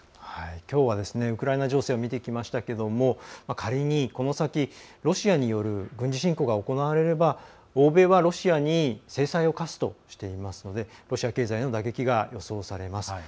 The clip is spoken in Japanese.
きょうは、ウクライナ情勢見てきましたが仮に、この先ロシアによる軍事侵攻が行われれば、欧米はロシアに制裁を科すとしていますのでロシア経済への打撃が予想されます。